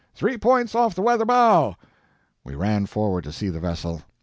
"Three points off the weather bow!" We ran forward to see the vessel.